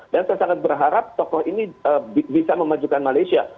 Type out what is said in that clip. dan saya sangat berharap tokoh ini bisa memajukan malaysia